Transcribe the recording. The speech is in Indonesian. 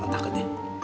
kau takut ya